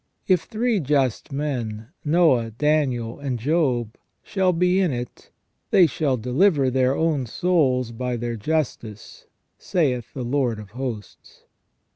... If three just men, Noe, Daniel, and Job, shall be in it, they shall deliver their own souls by their justice, saith the Lord of hosts."